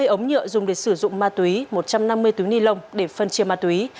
hai mươi ống nhựa dùng để sử dụng ma túy một trăm năm mươi túi ni lông để phân chia ma túy